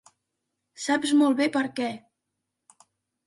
Saps molt bé per què.